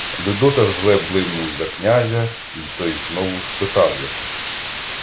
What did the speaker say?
Людота зле блимнув за князя, й той знову спитав його: